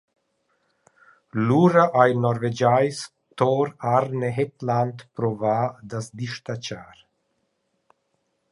Lura ha il Norvegiais Tor Arne Hetland provà da’s dis-tachar.